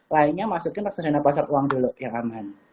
lainnya masukin reksadana pasar uang dulu ya aman